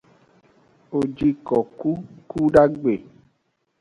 Wo ji koku kudagbe.